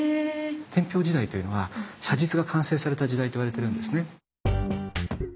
天平時代というのは写実が完成された時代といわれてるんですね。